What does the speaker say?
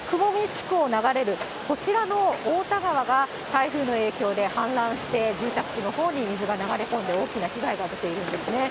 地区を流れるこちらの太田川が、台風の影響で氾濫して住宅地のほうに水が流れ込んで大きな被害が出ているんですね。